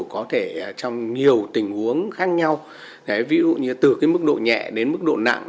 có thể trong nhiều tình huống khác nhau ví dụ như từ mức độ nhẹ đến mức độ nặng